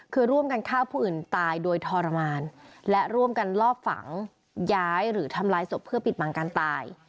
คือร่วมกันฆ่าผู้อื่นตายโดยทรมานและร่วมกันลอบฝังย้ายหรือทำลายศพเพื่อปิดบังการตาย